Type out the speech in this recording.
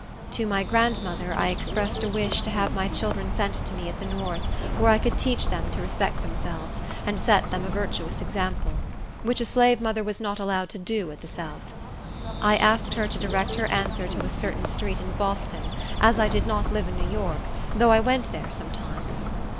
To my grandmother, I expressed a wish to have my children sent to me at the north, where I could teach them to respect themselves, and set them a virtuous example; which a slave mother was not allowed to do at the south. I asked her to direct her answer to a certain street in Boston, as I did not live in New York, though I went there sometimes.